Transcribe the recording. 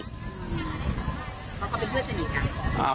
เขาก็เป็นเพื่อนที่หนีกัน